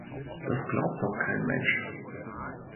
Das glaubt doch kein Mensch!